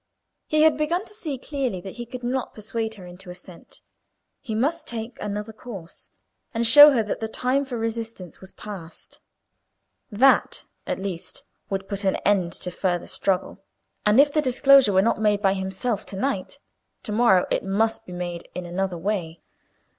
He had begun to see clearly that he could not persuade her into assent: he must take another course, and show her that the time for resistance was past. That, at least, would put an end to further struggle; and if the disclosure were not made by himself to night, to morrow it must be made in another way.